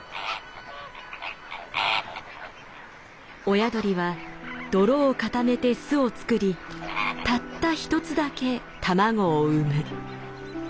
親鳥は泥を固めて巣を作りたった１つだけ卵を産む。